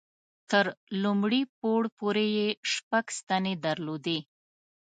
تر لومړي پوړ پورې یې شپږ ستنې درلودې.